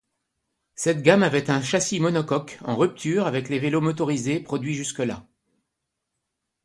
Cette gamme avait un châssis monocoque en rupture avec les vélos motorisés produits jusque-là.